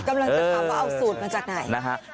จะทำวัทย์สูตรมาอีกเกี่ยวกันนะครับ